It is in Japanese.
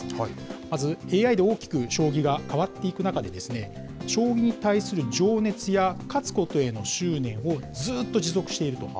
まずＡＩで大きく将棋が変わっていく中で、将棋に対する情熱や勝つことへの執念をずーっと持続していると。